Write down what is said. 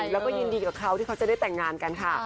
แล้วก็ยินดีกับเขาที่เขาจะได้แต่งงานกันค่ะ